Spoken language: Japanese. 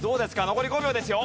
残り５秒ですよ。